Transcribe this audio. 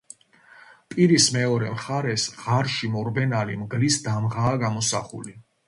პირის მეორე მხარეს, ღარში მორბენალი მგლის დამღაა გამოსახული.